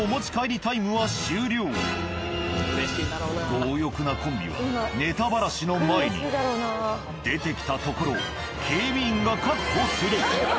強欲なコンビはネタバラシの前に出てきたところを警備員が確保する。